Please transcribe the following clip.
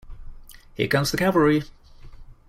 Here comes the cavalry.